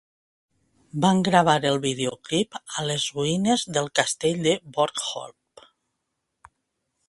Van gravar el videoclip a les ruïnes del castell de Borgholm.